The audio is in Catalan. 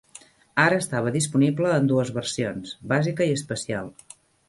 Ara estava disponible en dues versiones: bàsica i especial.